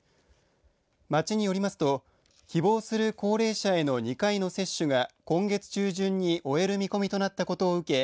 町によりますと希望する高齢者への２回の接種が今月中旬に終える見込みとなったことを受け